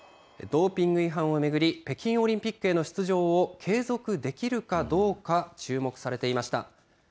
ドーピング違反を巡り、北京オリンピックへの出場を継続できるかどうか、注目されていました。